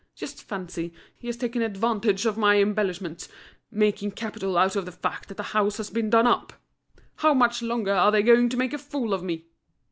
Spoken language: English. Just fancy, he has taken advantage of my embellishments, making capital out of the fact that the house has been done up. How much longer are they going to make a fool of me?"